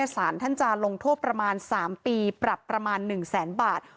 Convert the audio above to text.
สารท่านจะลงโทษประมาณ๓ปีปรับประมาณ๑แสนบาท